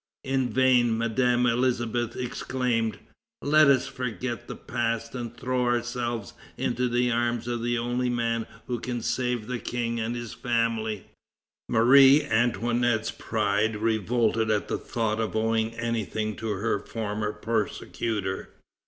In vain Madame Elisabeth exclaimed: "Let us forget the past and throw ourselves into the arms of the only man who can save the King and his family!" Marie Antoinette's pride revolted at the thought of owing anything to her former persecutor.